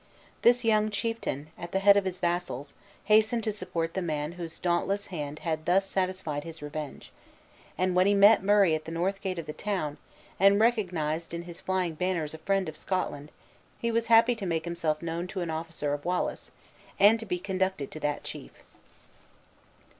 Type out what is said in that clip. This young chieftain, at the head of his vassals, hastened to support the man whose dauntless hand had thus satisfied his revenge; and when he met Murray at the north gate of the town, and recognized in his flying banners a friend of Scotland, he was happy to make himself known to an officer of Wallace, and to be conducted to that chief.